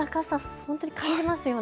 本当に感じますよね。